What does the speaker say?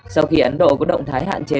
sau khi ấn độ có động thái hạn chế